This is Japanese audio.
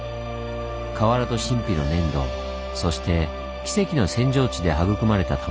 瓦と神秘の粘土そして奇跡の扇状地で育まれたたまねぎ。